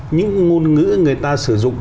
những ngôn ngữ người ta sử dụng